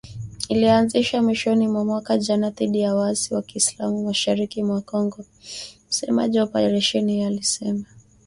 Iliyoanzishwa mwishoni mwa mwaka jana dhidi ya waasi wa kiislam mashariki mwa Kongo, msemaji wa operesheni hiyo alisema